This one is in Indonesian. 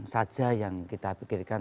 saja yang kita pikirkan